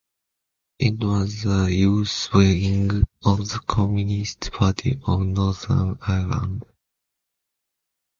It was the youth wing of the Communist Party of Northern Ireland.